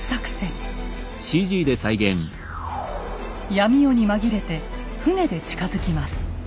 闇夜に紛れて船で近づきます。